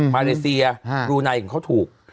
มาเลเซียบรูไนของเขาถูก